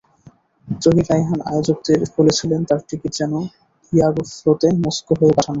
জহির রায়হান আয়োজকদের বলেছিলেন, তাঁর টিকিট যেন এয়ারোফ্লোতে মস্কো হয়ে পাঠানো হয়।